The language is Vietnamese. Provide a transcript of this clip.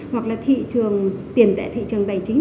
hoặc là thị trường tiền tệ thị trường tài chính